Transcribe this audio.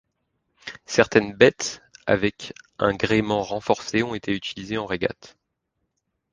Certaines bettes avec un gréement renforcé, ont été utilisées en régate.